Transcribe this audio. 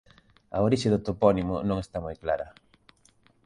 A orixe do topónimo non está moi clara.